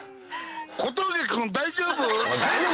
小峠君、大丈夫？